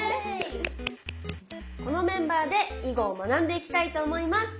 このメンバーで囲碁を学んでいきたいと思います。